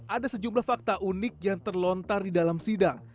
ada sejumlah fakta unik yang terlontar di dalam sidang